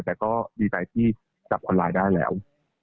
แต่ก็ดีใจที่จับคนร้ายได้แล้ว